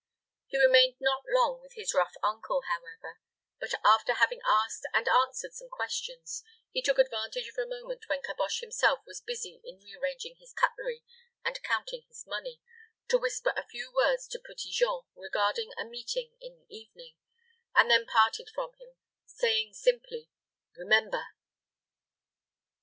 He remained not long with his rough uncle, however; but, after having asked and answered some questions, he took advantage of a moment when Caboche himself was busy in rearranging his cutlery and counting his money, to whisper a few words to Petit Jean regarding a meeting in the evening, and then parted from him, saying simply, "Remember!"